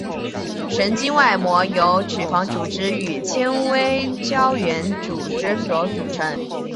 神经外膜由脂肪组织与纤维胶原组织所组成。